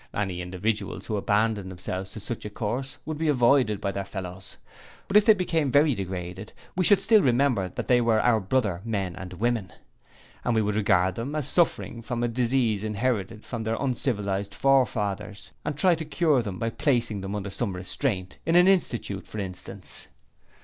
Any individuals who abandoned themselves to such a course would be avoided by their fellows; but if they became very degraded, we should still remember that they were our brother men and women, and we should regard them as suffering from a disease inherited from their uncivilized forefathers and try to cure them by placing them under some restraint: in an institute for instance.'